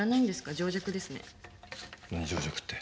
情弱って。